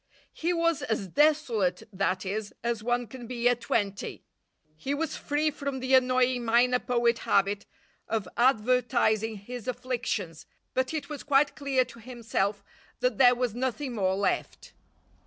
He was as desolate, that is, as one can be at twenty. He was free from the annoying minor poet habit of advertising his afflictions, but it was quite clear to himself that there was nothing more left.